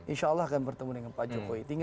insya allah akan bertemu dengan pak jokowi tinggi